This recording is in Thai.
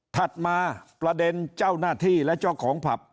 ถัดมาประเด็นเจ้าหน้าที่และเจ้าของผับ